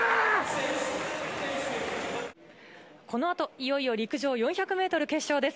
このあといよいよ陸上４００メートル決勝です。